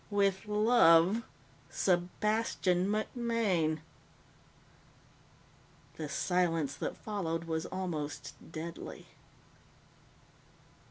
With love Sebastian MacMaine." The silence that followed was almost deadly.